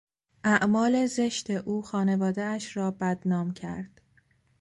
اعمال زشت او خانوادهاش را بدنام کرد.